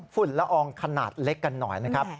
ฝุ่นละอองขนาดเล็กกันหน่อยนะครับ